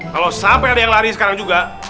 kalau sampai ada yang lari sekarang juga